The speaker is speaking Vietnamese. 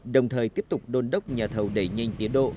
đồng thời tiếp tục đôn đốc nhà thầu đẩy nhanh tiến độ